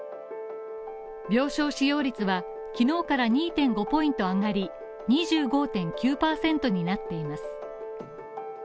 病床使用率は、きのうから２．５ポイント上がり２５．９％になっています。